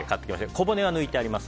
小骨は抜いてあります。